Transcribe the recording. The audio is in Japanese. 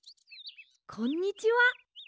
こんにちは。